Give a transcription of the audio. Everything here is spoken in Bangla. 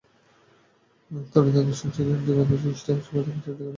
তড়িৎ আধান সঞ্চয়ের জন্য দুই পাত বিশিষ্ট ধারক সর্বাধিক প্রচলিত।